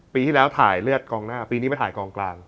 ปีที่แล้วถ่ายเลือดกองหน้าปีนี้ไปถ่ายกองกลาง